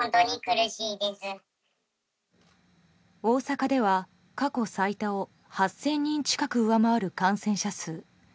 大阪では過去最多を８０００人近く上回る感染者数。